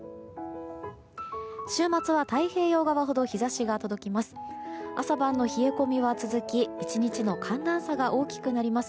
週末は太平洋側ほど日差しが届きます。